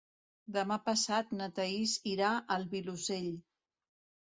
Demà passat na Thaís irà al Vilosell.